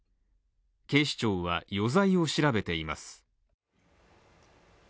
警視庁は余罪を調べています。